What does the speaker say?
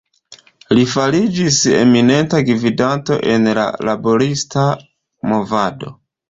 Li fariĝis eminenta gvidanto en la laborista movado.